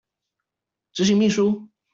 執行秘書